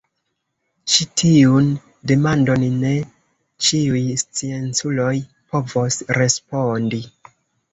Ĉi-tiun demandon ne ĉiuj scienculoj povos respondi.